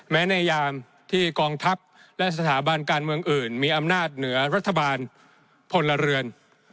ในยามที่กองทัพและสถาบันการเมืองอื่นมีอำนาจเหนือรัฐบาลพลเรือน